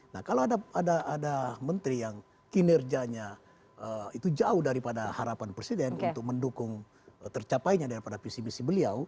nah kalau ada menteri yang kinerjanya itu jauh daripada harapan presiden untuk mendukung tercapainya daripada visi visi beliau